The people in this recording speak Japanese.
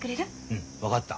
うん分かった。